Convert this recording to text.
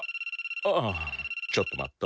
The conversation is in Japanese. ああちょっと待っと。